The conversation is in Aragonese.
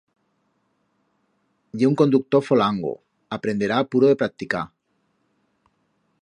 Ye un conductor folango, aprenderá a puro de practicar.